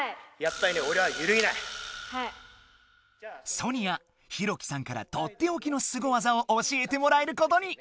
ソニアＨＩＲＯＫＩさんからとっておきのすごわざを教えてもらえることに！